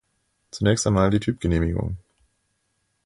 Zunächst einmal die Typgenehmigung.